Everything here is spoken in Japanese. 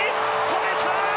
止めた！